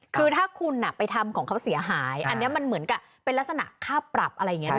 คือถ้าคุณไปทำของเขาเสียหายอันนี้มันเหมือนกับเป็นลักษณะค่าปรับ